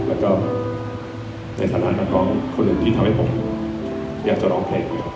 แล้วก็ในฐานะนักร้องคนอื่นที่ทำให้ผมอยากจะร้องเพลงอยู่